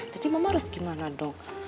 jadi mama harus gimana dong